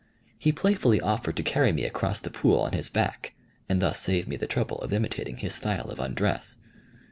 He playfully offered to carry me across the pool on his back, and thus save me the trouble of imitating his style of undress.